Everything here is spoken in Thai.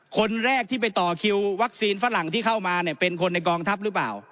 คนแรกที่ไปต่อคิววัคซีนฝรั่งที่เข้ามาเนี่ยเป็นคนในกองทัพหรือเปล่า